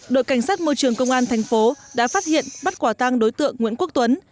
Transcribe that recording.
đội cảnh sát môi trường công an thành phố đã phát hiện bắt quả tang đối tượng nguyễn quốc tuấn